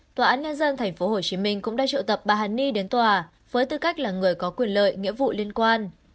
tòa án nhân dân tp hcm cũng đã triệu tập bà hàn ni đến tòa với tư cách là người có quyền lợi nghĩa vụ liên quan